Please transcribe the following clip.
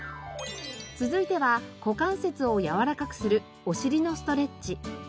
続いては股関節をやわらかくするお尻のストレッチ。